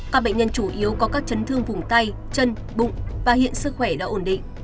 các bệnh nhân chủ yếu có các chấn thương vùng tay chân bụng và hiện sức khỏe đã ổn định